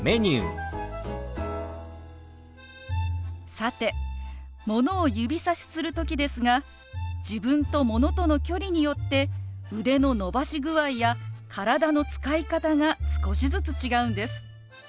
さてものを指さしする時ですが自分とものとの距離によって腕の伸ばし具合や体の使い方が少しずつ違うんです。